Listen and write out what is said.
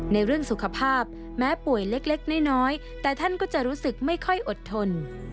ในเรื่องสุขภาพแม้ป่วยเล็กน้อยแต่ท่านก็จะรู้สึกไม่ค่อยอดทน